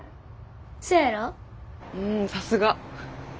うんさすが。